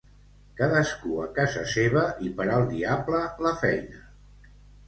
Cadascú a casa seva i per al diable la feina.